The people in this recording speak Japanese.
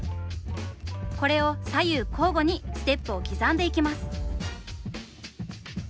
これを左右交互にステップを刻んでいきます。